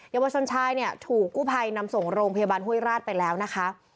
ยังว่าชนชายถูกกู้ภัยนำส่งโรงพยาบาลหุ้ยราชไปแล้วนะคะ